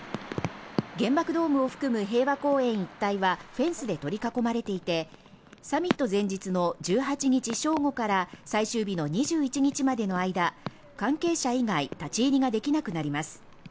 原爆ドームを含む平和公園一帯はフェンスで取り囲まれていて、サミット前日の１８日正午から最終日の２１日までの間、関係者以外立ち入りができなくなります。